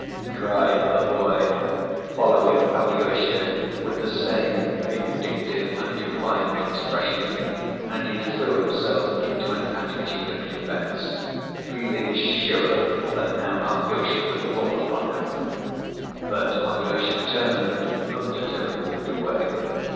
cried the boy, following Alyosha with the same vindictive and defiant expression, and he threw himself into an attitude of defense, feeling sure that now Alyosha would fall upon him; but Alyosha turned, looked at him, and walked away.